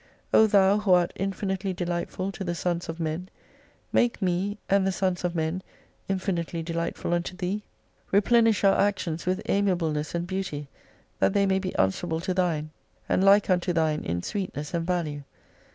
O Thou who art infinitely delightful to the sons of men, make me, and the sons of men, infinitely delightful unto Thee. Replenish our actions with amiableness and beauty, that they may be answerable to thine, and like unto 267 Thine in sweetness and value.